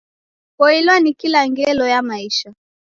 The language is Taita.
Poilwa ni kila ngelo ya maisha.